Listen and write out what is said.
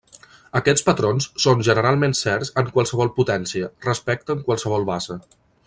Aquests patrons són generalment certs en qualsevol potència, respecte en qualsevol base.